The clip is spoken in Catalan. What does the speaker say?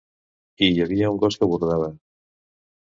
I hi havia un gos que bordava.